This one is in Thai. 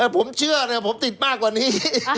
ผมเชื่อนะผมติดมากกว่านี้